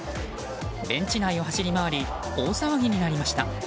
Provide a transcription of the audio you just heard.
ベンチ内を走り回り大騒ぎになりました。